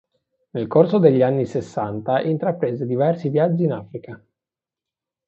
Nel corso degli anni sessanta intraprese diversi viaggi in Africa.